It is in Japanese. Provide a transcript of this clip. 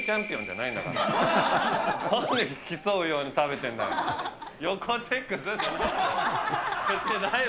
なんで、競うように食べてんだよ。